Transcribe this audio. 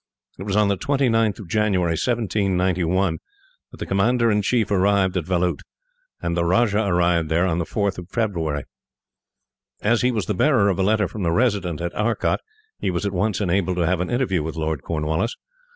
It was on the 29th of January, 1791, that the commander in chief arrived at Vellout, and the Rajah arrived there on the 4th of February. As he was the bearer of a letter from the Resident at Arcot, he was at once enabled to have an interview with Lord Cornwallis.